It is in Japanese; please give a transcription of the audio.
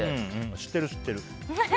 知ってる、知ってる。